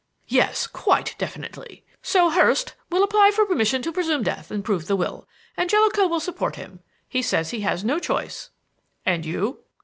"Yes; quite definitely. So Hurst will apply for permission to presume death and prove the will, and Jellicoe will support him; he says he has no choice." "And you?"